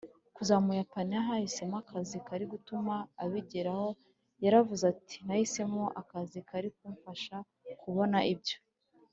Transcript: kuzaba umupayiniya yahisemo akazi kari gutuma abigeraho Yaravuze ati nahisemo akazi kari kumfasha kubona ibyo